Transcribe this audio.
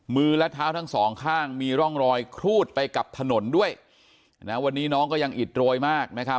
มือและเท้าทั้งสองข้างมีร่องรอยครูดไปกับถนนด้วยนะวันนี้น้องก็ยังอิดโรยมากนะครับ